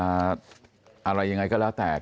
อะไรยังไงก็แล้วแต่